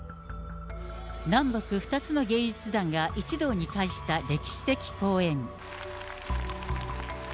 南北２つの芸術団が一堂に会した歴史的公演。